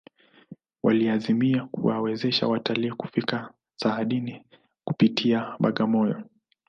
waliazimia kuwawezesha watalii kufika saadani kupitia bagamoyo